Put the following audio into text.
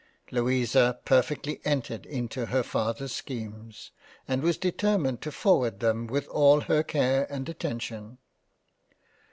Louisa perfectly entered into her father's schemes and was determined to forward them with all her care and attention.